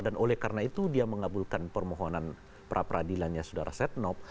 dan oleh karena itu dia mengabulkan permohonan perapradilannya sudara setnop